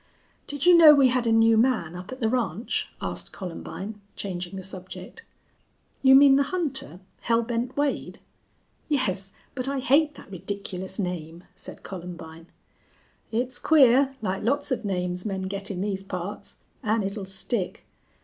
"Did you know we had a new man up at the ranch?" asked Columbine, changing the subject. "You mean the hunter, Hell Bent Wade?" "Yes. But I hate that ridiculous name," said Columbine. "It's queer, like lots of names men get in these parts. An' it'll stick.